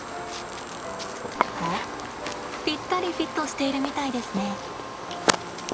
おっぴったりフィットしているみたいですね。